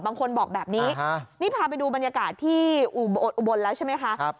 บางคนบอกแบบนี้นี่พาไปดูบรรยากาศที่อุบลแล้วใช่ไหมคะ